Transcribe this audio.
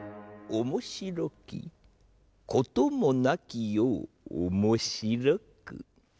おもしろきこともなき世をおもしろく。